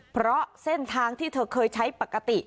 เพราะเส้นทางที่เธอเคยใช้ปกติ